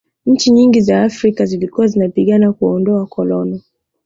nchi nyingi za afrika zilikuwa zinapigana kuwaondoa wakolono